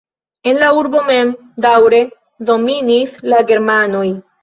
En la urbo mem daŭre dominis la germanoj.